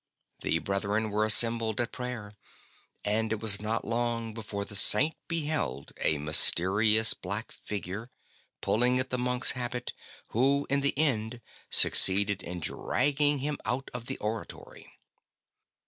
The brethren were assembled at prayer, and it was not long before the Saint beheld a mysterious black figure pulling at the monk's habit, who, in the end, succeeded in dragging him out of the oratory.